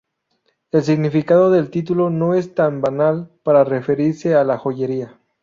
El significado del título no es tan banal para referirse a la joyería.